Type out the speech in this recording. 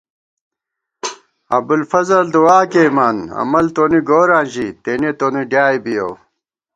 ابُوالفضل دُعا کېئیمان عمل تونی گوراں ژی تېنے تونی ڈیائے بِیَؤ